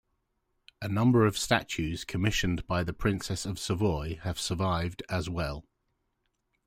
A number of statues commissioned by the Princess of Savoy have survived as well.